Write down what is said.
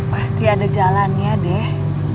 pasti ada jalannya deh